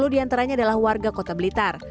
sepuluh diantaranya adalah warga kota blitar